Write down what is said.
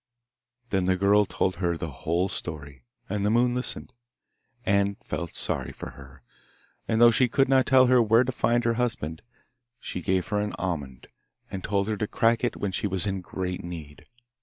Then the girl told her the whole story, and the Moon listened, and was sorry for her; and though she could not tell her where to find her husband, she gave her an almond, and told her to crack it when she was in great need.